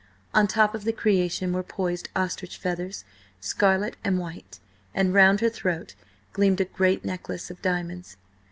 On top of the creation were poised ostrich feathers, scarlet and white, and round her throat gleamed a great necklet of diamonds.